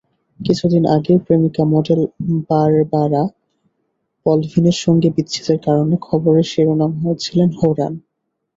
কিছুদিন আগে প্রেমিকা মডেল বারবারা পলভিনের সঙ্গে বিচ্ছেদের কারণে খবরের শিরোনাম হয়েছিলেন হোরান।